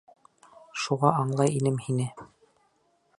Шуға аңлай инем һине.